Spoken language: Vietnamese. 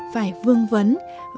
phải vương vấn